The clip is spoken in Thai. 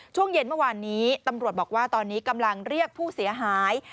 ช่วงเย็นเมื่อวานนี้ตำรวจบอกว่าตอนนี้กำลังเรียกผู้เสียหาย